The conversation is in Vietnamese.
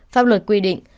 pháp luật quy định